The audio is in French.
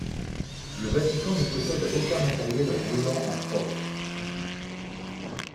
Le Vatican ne possède aucun matériel roulant en propre.